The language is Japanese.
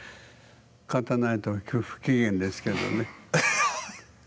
勝たないと不機嫌ですけどね。